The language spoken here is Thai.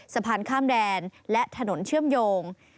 สะพานข้ามแดนและถนนเชื่อมโยง